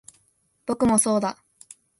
僕もそうだ